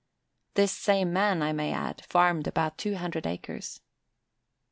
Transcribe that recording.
This same man I may add farmed about two hundred acres.